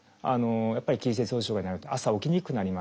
やっぱり起立性調節障害になると朝起きにくくなります。